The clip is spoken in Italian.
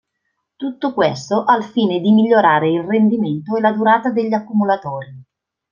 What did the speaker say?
Tutto questo al fine di migliorare il rendimento e la durata degli accumulatori.